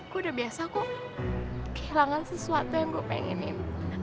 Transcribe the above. gue udah biasa kok kehilangan sesuatu yang gue pengenin